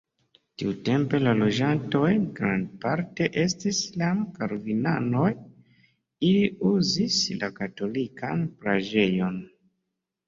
Tiutempe la loĝantoj grandparte estis jam kalvinanoj, ili uzis la katolikan preĝejon.